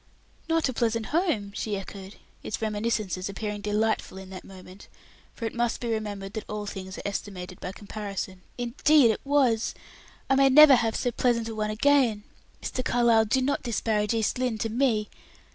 "Not a pleasant home?" she echoed, its reminiscences appearing delightful in that moment, for it must be remembered that all things are estimated by comparison. "Indeed it was; I may never have so pleasant a one again. Mr. Carlyle, do not disparage East Lynne to me!